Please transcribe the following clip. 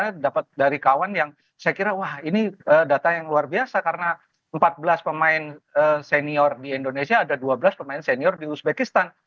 saya dapat dari kawan yang saya kira wah ini data yang luar biasa karena empat belas pemain senior di indonesia ada dua belas pemain senior di uzbekistan